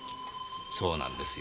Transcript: そうなんですよ